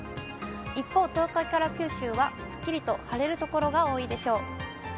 一方、東海から九州はすっきりと晴れる所が多いでしょう。